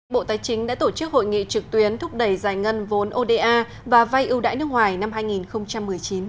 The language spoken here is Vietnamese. bộ tài chính đã tổ chức hội nghị trực tuyến thúc đẩy giải ngân vốn oda và vay ưu đãi nước ngoài năm hai nghìn một mươi chín